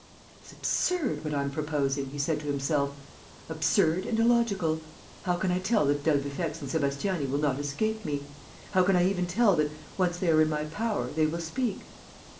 "It's absurd, what I'm proposing," he said to himself. "Absurd and illogical. How can I tell that d'Albufex and Sébastiani will not escape me? How can I even tell that, once they are in my power, they will speak?